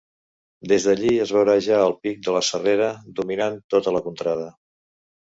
Des d'allí, es veurà ja el pic de la Serrera, dominant tota la contrada.